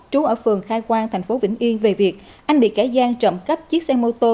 trú ở phường khai quang thành phố vĩnh yên về việc anh bị kẻ gian trộm cắp chiếc xe mô tô